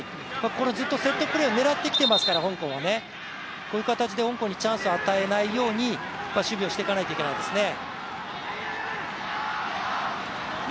ずっとセットプレーを香港は狙ってきていますからこういう形で香港にチャンスを与えないように守備をしていかないといけないですね。